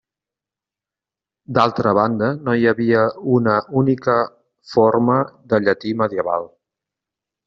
D'altra banda, no hi havia una única forma de llatí medieval.